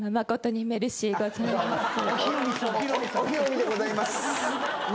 おヒロミでございます。